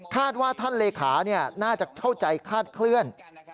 ว่าท่านเลขาน่าจะเข้าใจคาดเคลื่อน